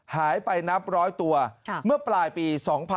หายไปนับร้อยตัวเมื่อปลายปี๒๕๖๒